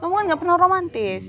kamu kan nggak pernah romantis